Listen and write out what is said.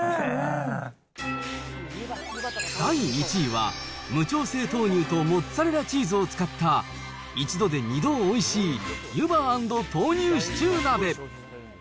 第１位は、無調整豆乳とモッツァレラチーズを使った、１度で２度おいしい、湯葉＆豆乳シチュー鍋。